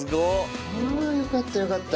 あぁよかったよかった。